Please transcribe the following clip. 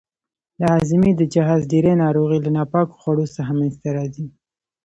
د هاضمې د جهاز ډېرې ناروغۍ له ناپاکو خوړو څخه منځته راځي.